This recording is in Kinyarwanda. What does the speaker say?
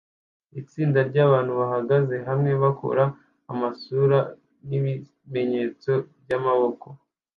Itsinda ryabantu bahagaze hamwe bakora amasura nibimenyetso byamaboko